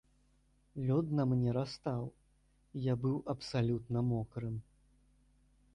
Лёд на мне растаў, я быў абсалютна мокрым.